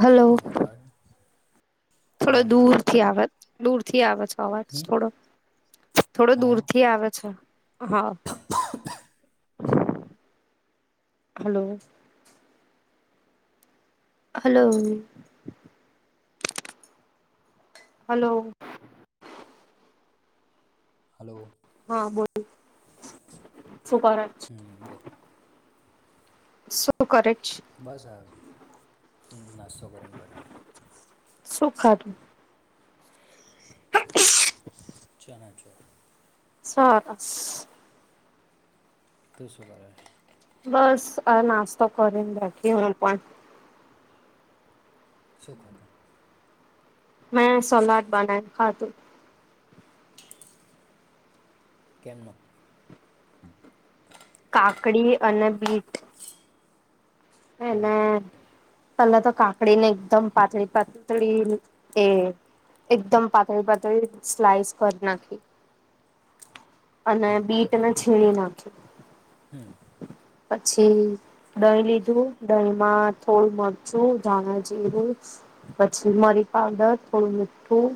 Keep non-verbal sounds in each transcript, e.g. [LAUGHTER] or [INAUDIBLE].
Hello. અવાજ આવે છે થોડો અવાજ આવે છે દૂરથી આવત. દૂર થી આવેજ. અવાજ હમ થોડો થોડો દૂર આવ્યો થી આવે છે. હા. હલો. હલો. હલો. હલો. હા બોલો સુ કરે છે? હમ બોલ શું કરે? બસ હાર નાસ્તોતો કરીને બેઠો. સુું ખાધું. [INAUDIBLE] ચણાચો. [UNINTELLIGIBLE] સસ [INAUDIBLE] બસ આ નાસ્તો કરીને રાખી હું પણ સુખદ મેં સલાદ બના ખાતું કેમનો કાકડી અને બીટ એ હમ ના પહેલા તો કાકડી ને એકદમ પાતળી પાતળી એ એકદમ પાતળી પાતળી સ્લાઈસ કરી નાખી અને હમ પછી બીટને છીણી નાખી હમ પછી ડલીી દહીંમાં થોડું મરચું ધાણા જીરું પછી મરી પાવડર થોડું મીઠું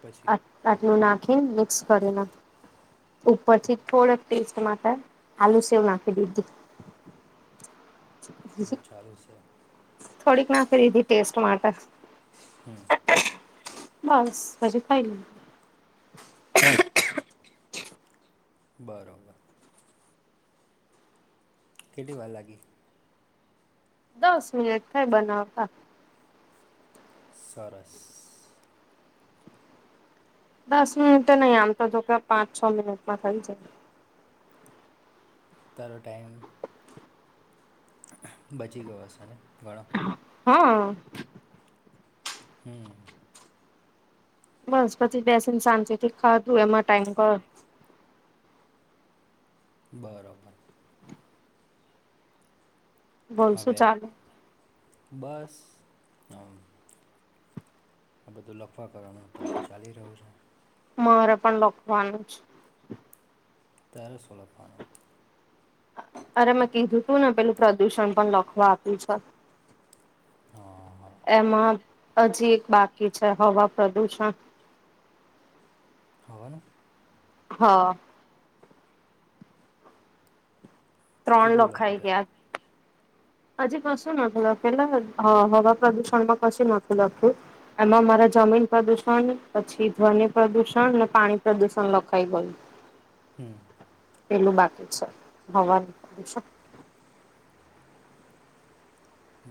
પછી અ આટનું ના કે મિક્સ કરી ના ઉપરથી થોડક સ્ટ માટે આલુ સેવ નાખી દીધી અ ચાાલું છે થોડીક ના ફરીધ ટેસ્ટ માટ હમ બસ હજ કાઈ ન બરાબર કેટ ભાર લાગે દસ મિનિટ થાય બનાવતા સરસ દસ મિનિટે નહી આમ તો જો કે પાંચ છ મિનિટમાં થઇ જાય તારો ટાઈમ બચી ગયો હ છે ને ઘણો હા હું બસ પછી બેસીને સાાજે થી ખાધું એમાં ટાઈમ કર બરોબર હવે બોલશું ચાાલ બસ હ આ બધું લખવા કરવાનું અત્ય્યારે તો ચાલી રહ્યું છે મારે પણ લખવાનું છે તેર સો લ પાાનવું અરે મેં કીધું તું ને પેલું પ્રદુષણ પણ લખવા આપ્યું છે હા હા એમાં હજી એક બાકી છે હવા પ્રદુષણ હવને હા ત્રણ કેટલું લખ્યું લખાઈ છે ગયા હજી કશું નથી લખ્યું એટલે હવા પ્રદુષણમાં કશું નથી લખ્યું, એમાં મારા જમીન પ્રદુષણ, પછી ધ્વનિ પ્રદુષણ અને પાણી પ્રદુષણ લખાઈ ગયું. હમ. પેલું બાકી છે હવાનું.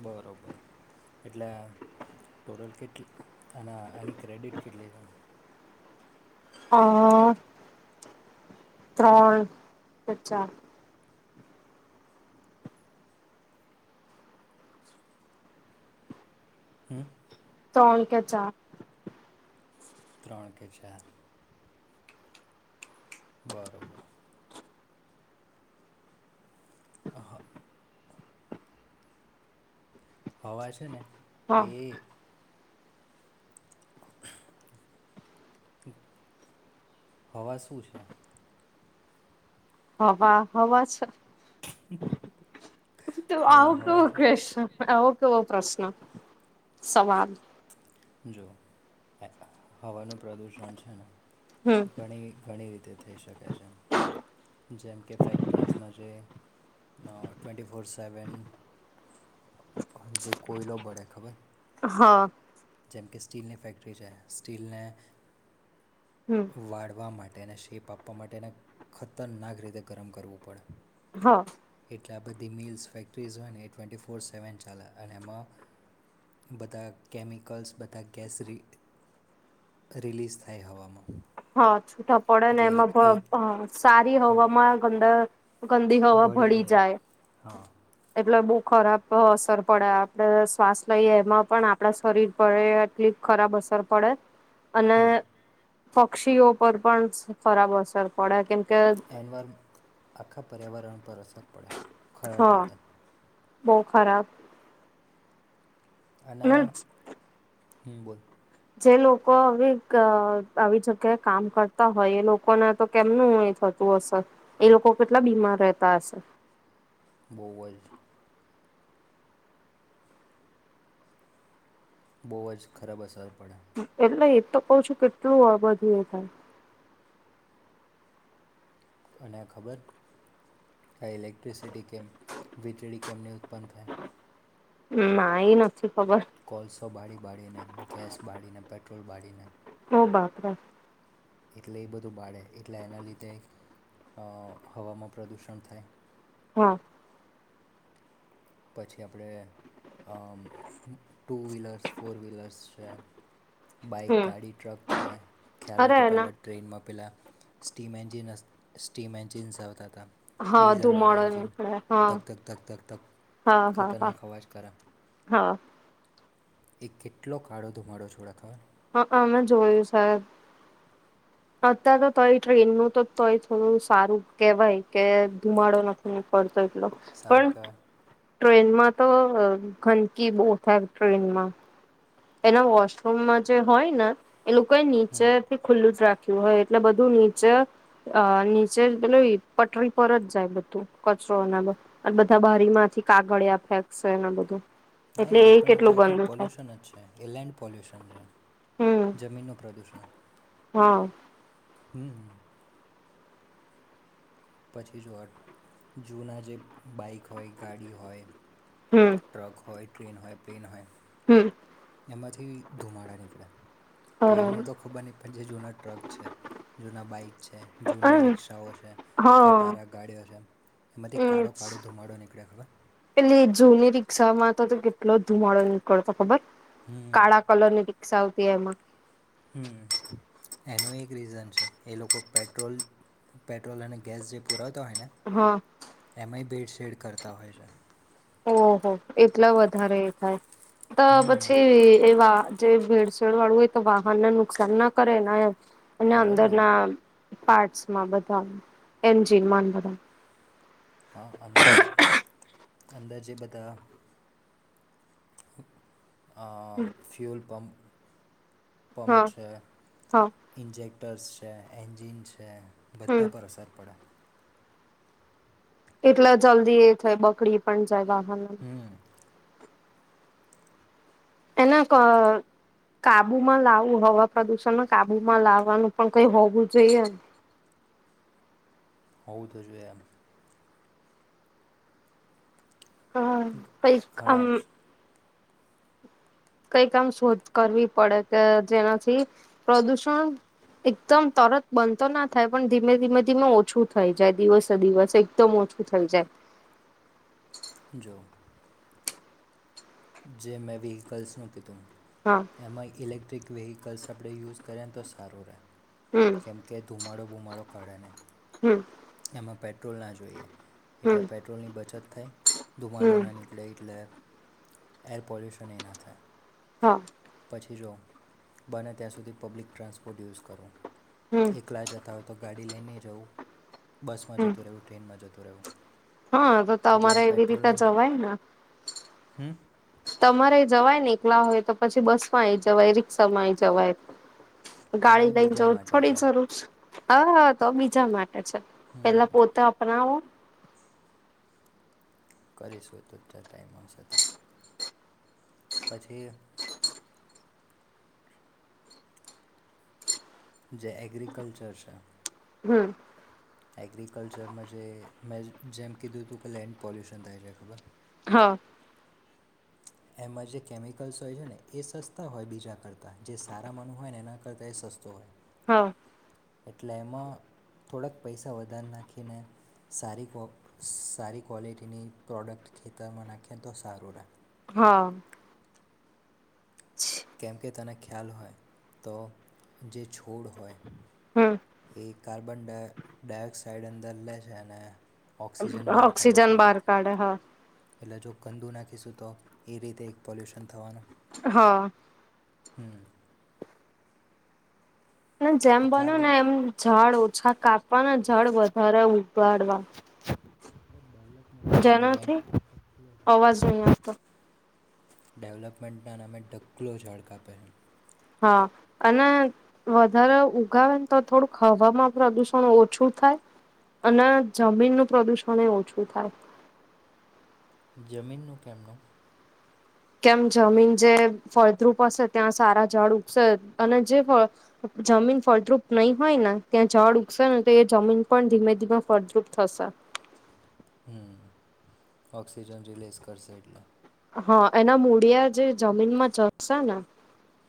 બરોબર, એટલે ટોટલ કેટલી અને આની ક્રેડિટ કેટલી છે? હ ત્રણ કચા હમ તોણ કે ચા ત્રણ કે ચાર બરોબર. હહા હવા છે ને એ હા હવા શું છે. હવા હવા છે. તો હવા આવું હવા છે ક કશ આવ. કેવો પ્રશ્ન સવાલ જો હવાનું પ્રદુષણ છે ને હમ ઘણી ઘણી રી તે થઈ શકે છે જેમ કે ફેક્ટરીઝમાં જે ટ્વેન્ટી ફોર સેવન જે કોયલો બળે ખબર હા જે કે કે સ્ટીલની ફેક્ટરી છે સ્ટીલના હમ વાળવા માટે અને એને શેપ આપવા માટેને ખતરનાક રીતે ગરમ કરવું પડે. હા એટલે આ બધી મિલ્સ ફેક્ટરીઝ હોય ને એ ટ્વેન્ટી ફોર સેવન ચાલે અને એમાં બધા કેમિકલ્સ બધા ગેસ રી રિલીઝ થાય હવામાં. હા. છૂટા પડે ને એટલે એમાં ભ એ અહ સારી હા હવામાં ગંદ ગંદી હવા ભળી જાય હા એટલે બૂ ખરાબ અસર પડે આપડે શ્વાસ લઈએ એમાં પણ આપડા શરીર પર એટલી ખરાબ અસર પડે અને હમ પક્ષીઓ પર પણ સ ખરાબ અસર પડે કેમ એનવાર આખા પર્યાવરણ પર અસર પડે. ખરાબ હા રીતે. બહુ ખરાબ. અને હમ્મ બોલ. જે લોકો આવી ગ આવી જગ્યાએ કામ કરતા હોય એ લોકોને તો કેમનું થતું હશે એ લોકો કેટલા બીમાર રહેતા હશે. બહુ અજ. બહુ અજ ખરાબ અસર પડે એટલે એ તો કઉ છું કેટલું અહ બધું એ થાય. અને આ ખબર, કે ઇલેક્ટ્રિસિટી કેમ વીજળી કેમને ઉત્પન્ન થાય? હમ ના એન કોલસો બાળી બાળીને ગેસ બાળીને. પેટ્રોલ બાળીને. ઓ બાપરા. એટલે એ બધું બાળે એટલે એના લીધે હવામાં પ્રદુષણ થાય. હા. પછી આપણે ટુ વ્હીલર્સ ફોર વ્હીલર્સ છે. બાઈક હમ ગાડી ટ્રક છે, ખ્યાલ હોય અરે તો ના પેલા ટ્રેનમાં પેલા સ્ટીમ એન્જિન સ્ટીમ એન્જિન જવત હા ડીઝલ વાળા ધુમાડો જન નીકળે હા ધક ધક ધક ધક ધક. હા હા હા, ખતરનાક અવાજ કરે હા. એ કેટલો કાળો ધુમાડો છોડા ખાવ. હ અમે જોયું સાહેબ, અત્યારે તોય ટ્રેન નું તોય થોડું સારું કેવાય કે ધુમાડો નથી પડતો. એટલો સારું પણ કહેવાય ટ્રેનમાં તો ગંદકી બહુ થાય ટ્રેનમાં. એના વોશરૂમમાં જે હોય ને. એ લોકો એ નીચે હમ થી ખુલ્લું જ રાખે. હોય એટલે બધું નીચે, નીચે પેલ પટરી પર જ જાય બધું કચરો એના બધા બારી માંથી કાગળિયા ફેંકશે એ બધું. હા એટલે એ પણ એક કેટલું જાતનું ગંદુ થાય પોલ્યુશન જ છ એ લેન્ડ પોલ્યુશન છે. હમ જમીનનું પ્રદૂષણ. હા. હમ્મ. પછી જોવો જૂના જે બાઈક હોય ગાડી હોય ટ્રક હોય ટ્રેન હોય, પ્લેન હોય હમ્મ. એમાંથી ધુમાડા નીકળે. પ્લેન માં તો બરાબર ખબર નહીં પણ જેે જૂના ટ્રક છે જુના બાઈક છે જૂની રિક્ષાઓ છે, હા ખટારા ગાડીઓ છે, એમાંથી એજ કાળો-કાળો ધુમાડો નીકળે. ખબર? સા માં તો કેટલો ધુમાડો નીકળતો ખબર. હમ કાળા કલર ની ટ સાઉથી એમાં હ એનું એક રીઝન છે એ લોકો પેટ્રોલ પેટ્રોલ અને ગેસ જે પુરાવ તો હોય ને, હા એમ આઈ બેડ્સ ખેડ કરતા હોય છે. ઓહ એટલા વધારે એ થાય. તો હમ પછી એવા જે ભેડસેેડ વાળું હોય તો વાહન ના નુકસાન ના કરે ના અને કરે જ અંદર ને ના પાર્ટમાં બધા, એ જિરમાન બધ હા અંદર અંદરજ બધા ફ્યૂલ પંપ પંપ હા છે, હા ઇન્જેક્ટર છે. છે એન્જિન છે. હમ બધા પર અસર પડે. એટલે જલ્દી એ થાય બકડી પણ જાય વાહન. હમ એના કાબુમાં લાવું હવા પ્રદુષણમાં કાબુમાં લાવવાનું પણ કઈ હોવું જોઈએ. હોવું તો જોઈ એમ. હા પૈ અમ ઘણા કઈ કામ શોધ કરવી પડે કે જેનાથી, પ્રદુષણ એકદમ તરત બંધ તો ના થાય પણ ધીમે ધીમે ધીમે ઓછું થઈ જાય દિવસે દિવસ એકદમ ઓછું થઈ જાય. જો જે મેં વ્હીકલસનું કધું હા એમાંમાં ઇલેક્ટ્રિક વેહીકલ્સ આપણે યુઝ કરીએને તો સારું રહે. હમ કેમ કે ધુમાડુ ધુમાડો કાઢાને. હમ એમાં પેટ્રોલ ના જોઈએ, હમ એટલે પેટ્રોલની બચત થાય. હમ ધુમાડોના નીકળ એટલે એયર પોલ્યુશન એ ના થાય. હા. પછી જો બને ત્યાં સુધી પબ્લિક ટ્રાન્સપોર્ટ યુઝ કરો. હમ એકલા જતા હોય તો ગાડી લઈને જઉં બસ માં જતું રહેવું ટ્રેનમાં જતું તો રેવું હ તો તમારે એવી રીતે જવાય ને. હમ તમારે જવાય ને એકલા હોય તો પછી બસ માંયે જવાય, રિક્ષા માંઈ જવાય. ના એ ગાડી લઈન બીજા જવુજ માટે થોડી છે જરૂર છ. હ હા તો બીજા મા અચ્છા હમ પેલા હમ પોતા આપનાઓ. કરીશું તો ત ટાઈમ મળશે તારે, પછી જે એગ્રીકલ્ચર છે હમ્મ. એગ્રીકલ્ચરમાં જે મે જેમ કીધું તું કે લેન્ડ પોલ્યુશન થાય છે ખબર હા. એમાં જે કેમિકલ્સ હોય છે ને એ સસ્તાં હોય બીજા કરતાં જે સારા માનું હોય ને એના કરતાં એ સસ્તો હોય. હા. એટલે એમાં થોડાક પૈસા વધારે નાખીને સારી કો સારી ક્વોલિટીની પ્રોડક્ટ ખેતરમાં નાખેને તો સારું રે. હા. કેમ કે તને ખ્યાલ હોય, તો જે છોડ હોય હમ્મ. એ કાર્બન ડઇ ડાઇઓક્સાઈડ અંદર લેે છે અને ઓક્સિજન [UNINTELLIGIBLE] બહાર કાઢે ઓક્સીજન છે બહાર કાડે, હા. એટલે જો કંદુ નાખીશું તો એ રીતે એક પોલ્યુશન થવાનું. હા. હમ્મ. [UNINTELLIGIBLE] જેમ એટલે આ બન્યું ને બધું એમ ઝાડ ઓ છા કાપવાના અન ઝાડ વધારે ઉગાડવા. ડેવલપમેન્ટના નામે જેનાથી ઢગલો ઝાડ અવાજ નહી આવતો. ડેવલપમેન્ટના નામે ઢકલો ઝાડ કાપે હે. હા અને વધારે ઉગાવે તો થોડુંક હવામાં પ્રદુષણ ઓછું થાય, અને જમીનનું પ્રદુષણ એ ઓછું થાય. જમીનનું કેમનું? કેમ જમીન જે ફળદ્રુપ હશે ત્યાં સારા ઝાડ ઉગસે અને જે જમીન ફળદ્રુપ નહી હોય ને ત્યાં ઝાડ ઉગસે ને તો એ જમીન પણ ધીમે ધીમે ફળદ્રુપ થશે. હમ ઓક્સિજન રિલીઝ કરશે એટલે. હ, એના મૂળિયા જે જમીન માં [UNINTELLIGIBLE] ને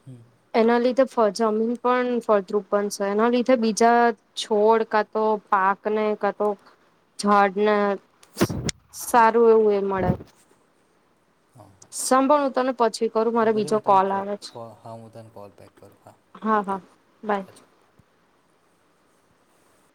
હમ એના લિધે ફ જમીન પણ ફળદ્રુપ બન છે એના લીધે બીજા છોડ, કા તો પાકને, કા તો ઝાડને સ સારું એવું એ મળે. સાંભળ હું તને પછી કરું મારે ઉબેરે બીજો હું તને કોલ કો આવે છે કો હ હું તને કોલ બેક કરું. હા, બાય. [UNINTELLIGIBLE]